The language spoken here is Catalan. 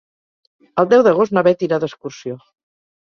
El deu d'agost na Beth irà d'excursió.